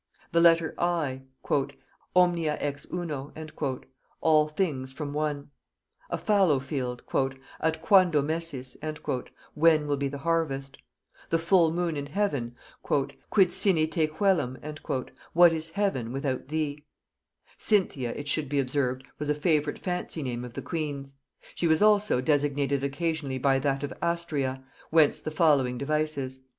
The letter I, "Omnia ex uno" (All things from one). A fallow field, "At quando messis" (When will be the harvest)? The full moon in heaven, "Quid sine te coelum" (What is heaven without thee)? Cynthia, it should be observed, was a favorite fancy name of the queen's; she was also designated occasionally by that of Astræa, whence the following devices.